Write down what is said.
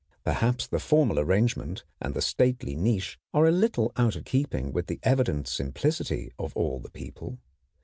Perhaps the formal arrangement and the stately niche are a little out of keeping with the evident simplicity of all the people.